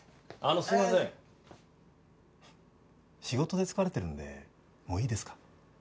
仕事で疲れてるんでもういいですか？